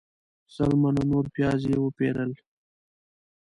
سل منه نور پیاز یې وپیرل.